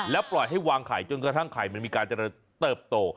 ปล่อยให้วางไข่จนกระทั่งไข่มันมีการเจริญเติบโต